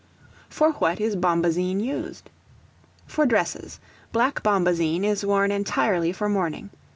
For what is Bombazine used? For dresses. Black bombazine is worn entirely for mourning.